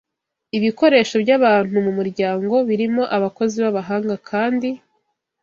Ibikoresho byabantu mumuryango birimo abakozi babahanga kandi